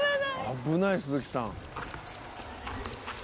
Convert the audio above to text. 危ない鈴木さん。